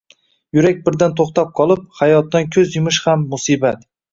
Yurak birdan to‘xtab qolib, hayotdan ko‘z yumish ham musibat